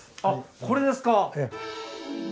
あこれですか？